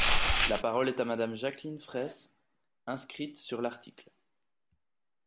La parole est à Madame Jacqueline Fraysse, inscrite sur l’article.